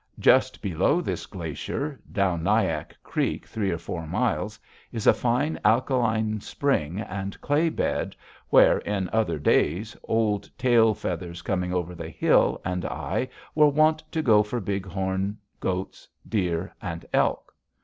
Just below this glacier, down Nyack Creek three or four miles, is a fine alkaline spring and clay bed where, in other days, old Tail Feathers Coming over the Hill and I were wont to go for bighorn, goats, deer, and elk.